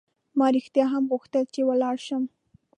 ما رښتیا هم غوښتل چې ولاړ شم.